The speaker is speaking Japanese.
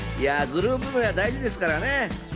グループ名は大事ですからね。